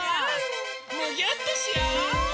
むぎゅーってしよう！